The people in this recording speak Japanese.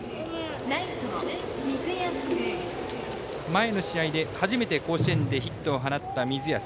前の試合で初めて甲子園でヒットを放った水安。